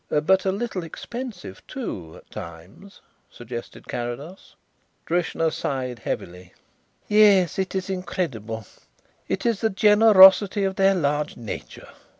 "But a little expensive, too, at times?" suggested Carrados. Drishna sighed heavily. "Yes; it is incredible. It is the generosity of their large nature.